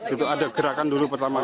itu ada gerakan dulu pertama